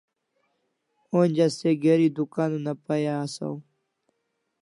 Onja se geri dukan una pai asaw